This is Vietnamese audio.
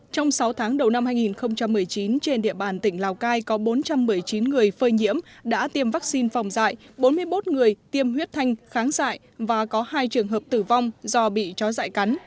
trong sáu tháng đầu năm hai nghìn một mươi chín trên địa bàn tỉnh lào cai có bốn trăm một mươi chín người phơi nhiễm đã tiêm vaccine phòng dạy bốn mươi một người tiêm huyết thanh kháng dại và có hai trường hợp tử vong do bị chó dại cắn